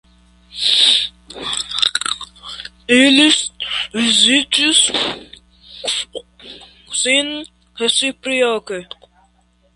Ili vizitis sin reciproke.